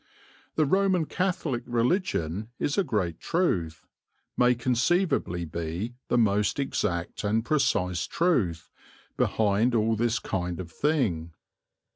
The Roman Catholic religion is a great truth, may conceivably be the most exact and precise truth, behind all this kind of thing.